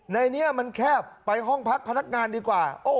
ในนี้มันแคบไปห้องพักพนักงานดีกว่า